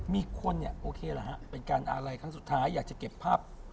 มีคนเนี่ยโอเคละฮะเป็นการอะไรครั้งสุดท้ายอยากจะเก็บภาพ